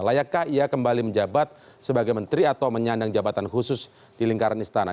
layakkah ia kembali menjabat sebagai menteri atau menyandang jabatan khusus di lingkaran istana